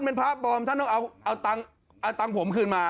เออทวงคืน